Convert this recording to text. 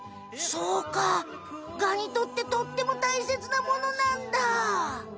そうかガにとってとってもたいせつなものなんだ。